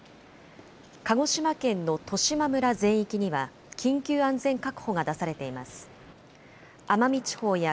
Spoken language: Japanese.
鹿児島県の十島村全域には緊急安全確保が出されています。